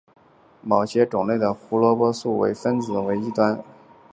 某些种类的胡萝卜素的分子的一端或两端为烃环。